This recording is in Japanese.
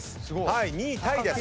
２位タイです。